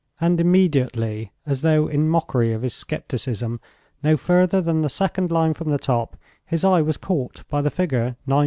And immediately, as though in mockery of his scepticism, no further than the second line from the top, his eye was caught by the figure 9,499!